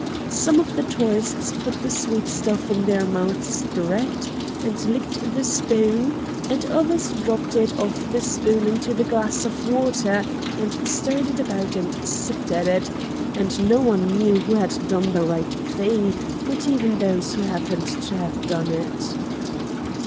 Some of the tourists put the sweet stuff in their mouths direct and licked the spoon, and others dropped it off the spoon into the glass of water, and stirred it about and sipped at it, and no one knew who had done the right thing, not even those who happened to have done it.